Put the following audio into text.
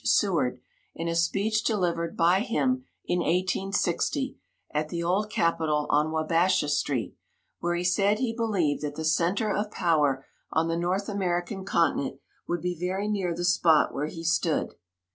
Seward, in a speech delivered by him in 1860, at the old capitol on Wabasha street, where he said he believed that the center of power on the North American continent would be very near the spot where he stood.